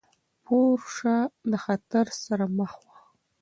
پورشه د خطر سره مخ وه.